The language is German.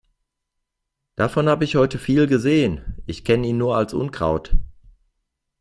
Davon hab ich heute viel gesehen. Ich kenne ihn nur als Unkraut.